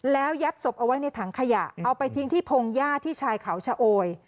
แล้วยัดศพเอาไว้ในถังขยะเอาไปทิ้งที่พงหญ้าที่ชายเขาชะโอย